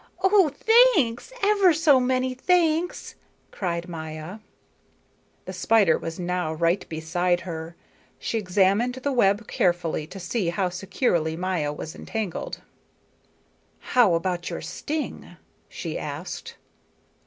"Oh, thanks! Ever so many thanks!" cried Maya. The spider was now right beside her. She examined the web carefully to see how securely Maya was entangled. "How about your sting?" she asked.